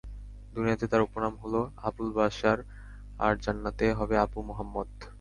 দুনিয়াতে তাঁর উপনাম হলো আবুল বাশার আর জান্নাতে হবে আবু মুহাম্মদ।